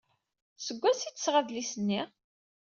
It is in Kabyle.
Seg wansi ay d-tesɣa adlis-nni?